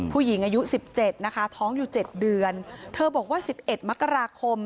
ผู้หญิงอายุสิบเจ็ดนะคะท้องอยู่เจ็ดเดือนเธอบอกว่าสิบเอ็ดมกราคม